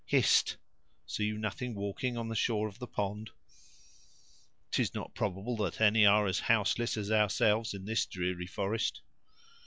Hist! see you nothing walking on the shore of the pond?" "'Tis not probable that any are as houseless as ourselves in this dreary forest."